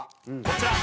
こちら！